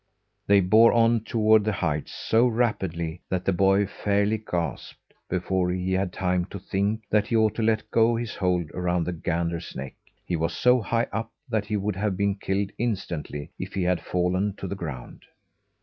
They bore on toward the heights so rapidly, that the boy fairly gasped. Before he had time to think that he ought to let go his hold around the gander's neck, he was so high up that he would have been killed instantly, if he had fallen to the ground.